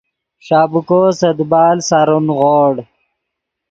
ݰابیکو سے دیبال سارو نیغوڑ